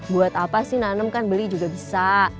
buat apa sih nanem kan beli juga bisa